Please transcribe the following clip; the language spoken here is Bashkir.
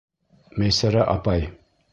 Мәйсәрә апай!